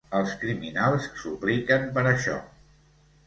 Els criminals supliquen per això.